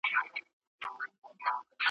جهاني پر هغه دښته مي سفر سو ,